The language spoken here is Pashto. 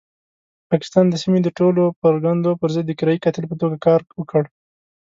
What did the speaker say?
پاکستان د سیمې د ټولو پرګنو پرضد د کرایي قاتل په توګه کار وکړ.